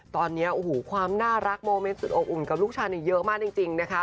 ตอนนี้ความน่ารักโมเมนต์สุดอบอุ่นกับลูกชายเยอะมากจริง